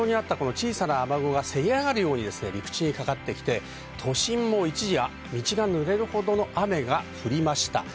小さな雨雲がせり上がるように陸地にかかってきて都心も一時、道がぬれるほどの雨が降りました。